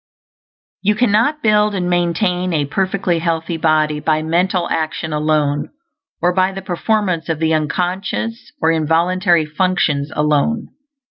You cannot build and maintain a perfectly healthy body by mental action alone, or by the performance of the unconscious or involuntary functions alone.